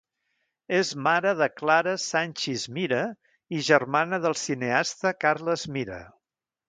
És mare de Clara Sanchis Mira i germana del cineasta Carles Mira.